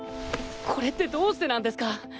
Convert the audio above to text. これってどうしてなんですか？